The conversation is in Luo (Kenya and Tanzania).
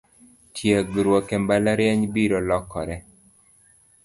Tiegruok embalariany biro lokore